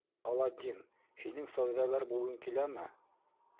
Аладдин, һинең сауҙагәр булғың киләме?